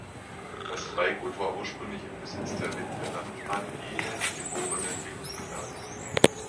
Das Freigut war ursprünglich im Besitz der Witwe Amtmann Wiehe, geborene Finkenberg.